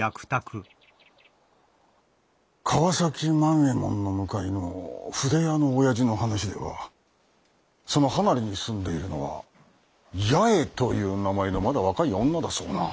川崎万右衛門の向かいの筆屋のおやじの話ではその離れに住んでいるのは八重という名前のまだ若い女だそうな。